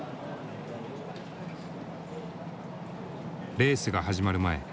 レースが始まる前。